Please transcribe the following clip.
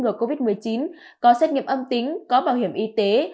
ngừa covid một mươi chín có xét nghiệm âm tính có bảo hiểm y tế